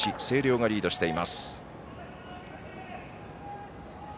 星稜がリードしています。